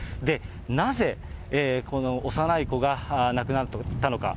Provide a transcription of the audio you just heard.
なぜ、この幼い子が亡くなったのか。